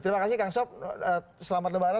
terima kasih kang sob selamat lebaran